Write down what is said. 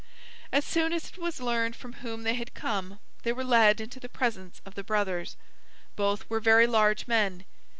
As soon as it was learned from whom they had come they were led into the presence of the brothers. Both were very large men.